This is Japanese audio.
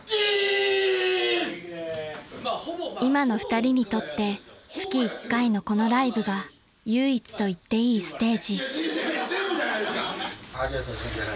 ［今の２人にとって月１回のこのライブが唯一といっていいステージ］